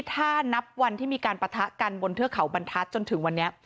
ถ้านับวันที่มีการปะทะกันบนเทือกเขาบรรทัศน์จนถึงวันนี้